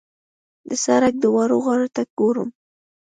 د سړک دواړو غاړو ته ګورم.